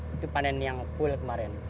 itu panen yang full kemarin